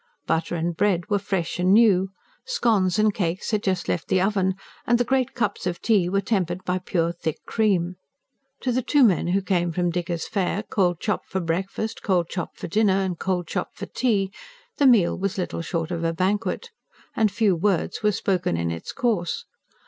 Butter and bread were fresh and new; scones and cakes had just left the oven; and the great cups of tea were tempered by pure, thick cream. To the two men who came from diggers' fare: cold chop for breakfast, cold chop for dinner and cold chop for tea: the meal was little short of a banquet; and few words were spoken in its course.